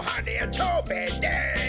蝶兵衛です！